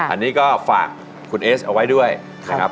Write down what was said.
อันนี้ก็ฝากคุณเอสเอาไว้ด้วยนะครับ